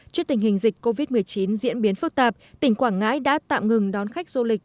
trước tình hình dịch covid một mươi chín diễn biến phức tạp tỉnh quảng ngãi đã tạm ngừng đón khách du lịch